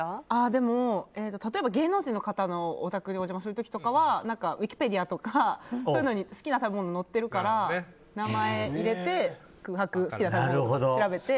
でも、例えば芸能人の方のお宅にお邪魔する時とかはウィキペディアとかに好きな食べ物が載ってるから名前を入れて好きな食べ物調べて。